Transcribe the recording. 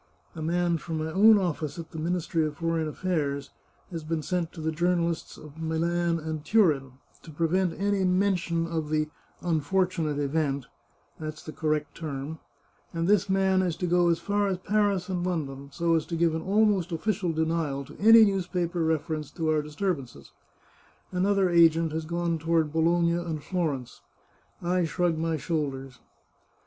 A man from my own office at the Ministry for Foreign Affairs has been sent to the journalists of Milan and Turin, to prevent any mention of the * unfortunate event '— that's the correct term — and this man is to go as far as Paris and London, so as to give an almost official denial to any newspaper reference to our disturbances. Another agent has gone toward Bologna and Florence. I shrug my shoulders.